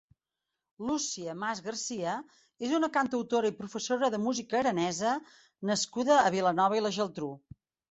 Lúcia Mas Garcia és una cantautora i professora de música aranesa nascuda a Vilanova i la Geltrú.